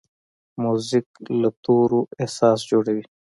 موزیک له تورو احساس جوړوي.